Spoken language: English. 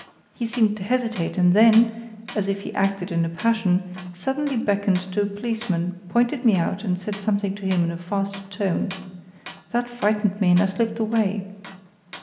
He seemed to hesitate, and then as if he acted in a passion suddenly beckoned to a policeman, pointed me out, and said something to him in a fast tone. That frightened me, and I slipped away.